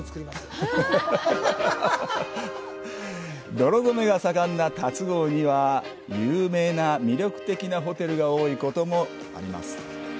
泥染めが盛んな龍郷には魅力的なホテルが多いことでも有名です。